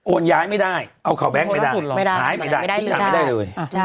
โอนย้ายไม่ได้เอาเขาแบ็คไปได้หายไปได้ขี้หาไปได้เลย